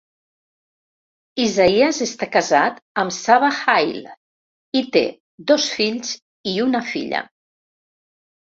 Isaias està casat amb Saba Haile i té dos fills i una filla.